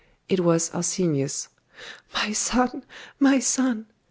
It was Arsenius. 'My son! my son!